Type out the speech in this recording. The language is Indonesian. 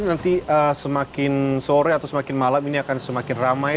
nanti semakin sore atau semakin malam ini akan semakin ramai